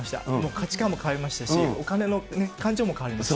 価値観も変わりましたし、お金の勘定も変わりました。